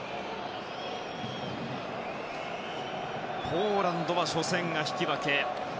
ポーランドは初戦が引き分け。